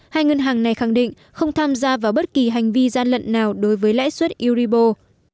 hai ngân hàng này khẳng định không tham gia vào bất kỳ hành vi gian lận nào đối với lãi suất uribo